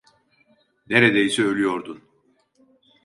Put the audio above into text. Neredeyse ölüyordun.